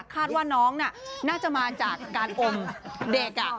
คาดว่าน้องน่าจะมาจากการโอนเด็ก